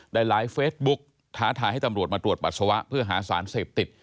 ไลฟ์เฟซบุ๊กท้าทายให้ตำรวจมาตรวจปัสสาวะเพื่อหาสารเสพติด